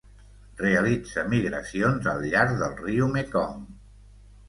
Realitza migracions al llarg del riu Mekong.